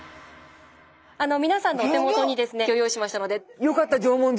みなさんのお手元にですねご用意しましたので。